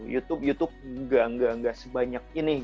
youtube gak sebanyak ini